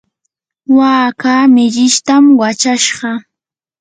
waaka millishtam wachashqa.